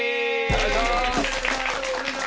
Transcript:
お願いします。